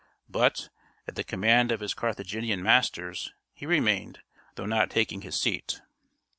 But, at the command of his Carthaginian masters, he remained, though not taking his seat.